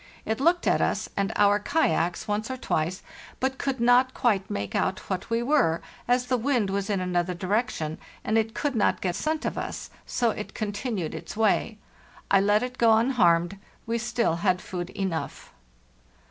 It looked at us and our kayaks once or twice, but could not quite make out what we were, as the wind was in another direction and it could not get scent of us, so it continued its way. I let it go unharmed; we still had food enough.